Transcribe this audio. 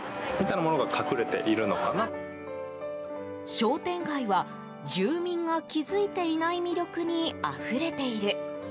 商店街は住民が気付いていない魅力にあふれている。